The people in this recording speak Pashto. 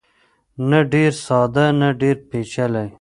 نه ډېر ساده نه ډېر پېچلی.